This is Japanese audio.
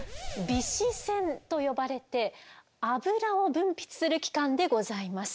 「尾脂腺」と呼ばれて脂を分泌する器官でございます。